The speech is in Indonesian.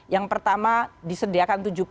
yang pertama disediakan rp tujuh